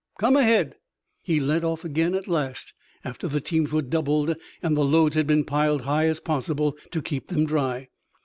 Come ahead!" He led off again at last, after the teams were doubled and the loads had been piled high as possible to keep them dry.